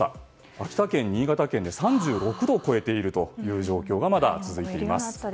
秋田県、新潟県で３６度を超えている状況がまだ続いています。